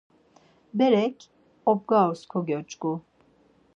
Berek omgarus kogyoç̌ǩu.